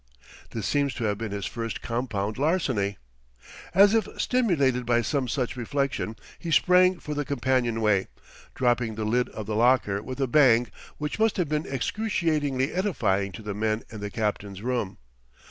This seems to have been his first compound larceny. As if stimulated by some such reflection he sprang for the companionway, dropping the lid of the locker with a bang which must have been excruciatingly edifying to the men in the captain's room.